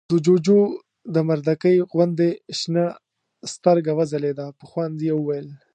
د جُوجُو د مردکۍ غوندې شنه سترګه وځلېده، په خوند يې وويل: